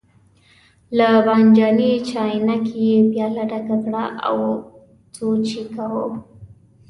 له بانجاني چاینکې یې پیاله ډکه کړه او سوچ یې کاوه.